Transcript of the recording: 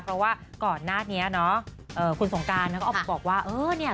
เพราะว่าก่อนหน้านี้เนาะคุณสงการก็ออกมาบอกว่าเออเนี่ย